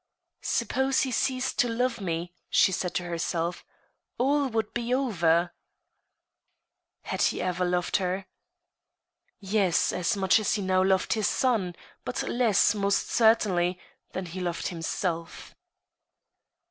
" Suppose he ceased to love me," she said to herself, " all would be over I " Had he ever loved her ? Yes, as much as he now loved his son, but less, most certainly, than he loved himself.